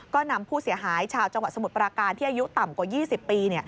ก็นำผู้เสียหายชาวจังหวัดสมุทรปราการที่อายุต่ำกว่า๒๐ปี